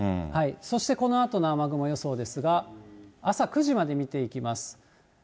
そしてこのあとの雨雲予想ですが、朝９時まで見ていきます。